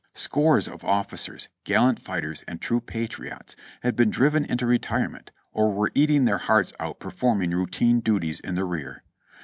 Scores of officers, gallant fighters and true pa triots, had been driven into retirement, or were eating their hearts out performing routine duties in the rear.